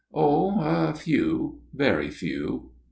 ' Oh, a few very few.'